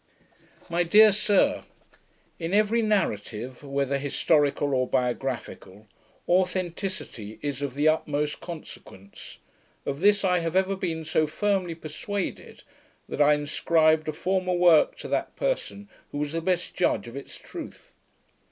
My Dear Sir, In every narrative, whether historical or biographical, authenticity is of the utmost consequence. Of this I have ever been so firmly persuaded, that I inscribed a former work to that person who was the best judge of its truth.